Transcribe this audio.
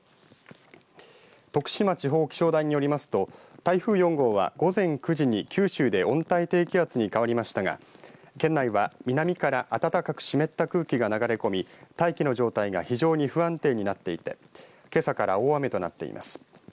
徳島地方気象台によりますと台風４号は午前９時に九州で温帯低気圧に変わりましたが県内は南から暖かく湿った空気が流れ込み大気の状態が非常に不安定になっていてけさから大雨となっています。